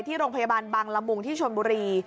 ที่โรงพยาบาลบังละมุงที่ชนบุรี